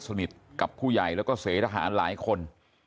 สนิทกับผู้ใหญ่แล้วก็เสทหารหลายคน